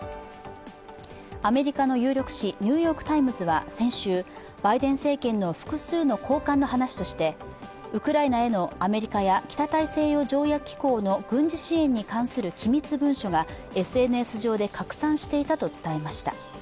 アメリカの有力紙「ニューヨーク・タイムズ」は先週バイデン政権の複数の高官の話としてウクライナへのアメリカや北大西洋条約機構の軍事支援に関する機密文書がＳＮＳ上で拡散していたと伝えました。